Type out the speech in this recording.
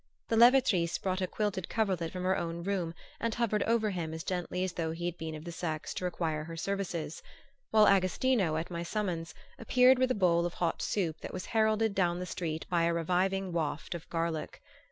The levatrice brought a quilted coverlet from her own room and hovered over him as gently as though he had been of the sex to require her services; while Agostino, at my summons, appeared with a bowl of hot soup that was heralded down the street by a reviving waft of garlic.